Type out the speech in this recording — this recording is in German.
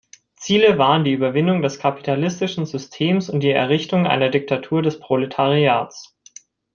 Ziele waren die Überwindung des kapitalistischen Systems und die Errichtung einer Diktatur des Proletariats.